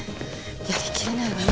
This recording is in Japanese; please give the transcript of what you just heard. やりきれないわね。